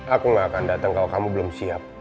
aku gak akan datang kalau kamu belum siap